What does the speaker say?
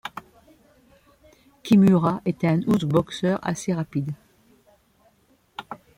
Kimura est un out-boxeur assez rapide.